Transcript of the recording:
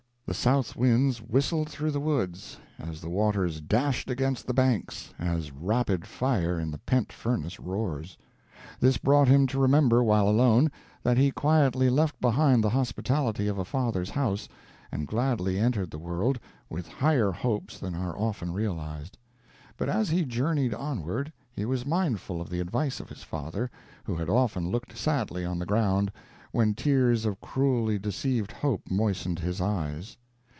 The south winds whistled through the woods, as the waters dashed against the banks, as rapid fire in the pent furnace roars. This brought him to remember while alone, that he quietly left behind the hospitality of a father's house, and gladly entered the world, with higher hopes than are often realized. But as he journeyed onward, he was mindful of the advice of his father, who had often looked sadly on the ground, when tears of cruelly deceived hope moistened his eyes.